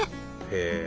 へえ！